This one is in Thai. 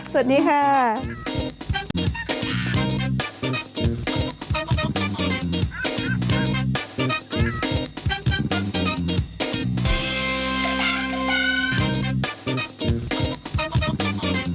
สวัสดีค่ะ